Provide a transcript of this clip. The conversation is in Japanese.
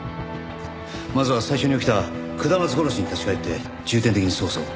まずは最初に起きた下松殺しに立ち返って重点的に捜査を。